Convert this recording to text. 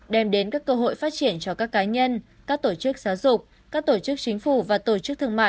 đem đến các cơ hội phát triển cho các cá nhân các tổ chức giáo dục các tổ chức chính phủ và tổ chức thương mại